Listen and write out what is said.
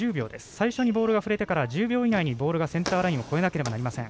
最初にボールを触れてから１０秒以内にボールがセンターラインを越えないといけません。